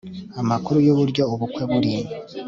amakuru yuburyo ubukwe buri